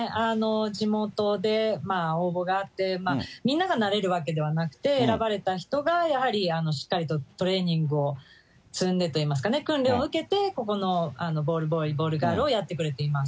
地元で応募があって、みんながなれるわけではなくて、選ばれた人が、やはりしっかりとトレーニングを積んでといいますかね、訓練を受けて、ここのボールボーイ、ボールガールをやってくれてます。